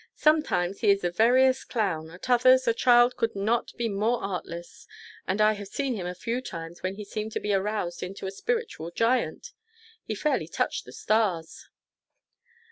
"Sometimes he is the veriest clown; at others, a child could not be more artless; and I have seen him a few times when he seemed to be aroused into a spiritual giant. He fairly touched the stars."